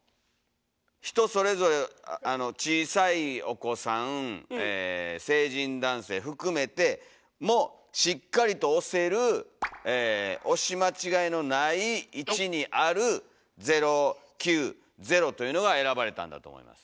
人それぞれ小さいお子さんえ成人男性含めてもしっかりと押せる押し間違いのない位置にある「０９０」というのが選ばれたんだと思います。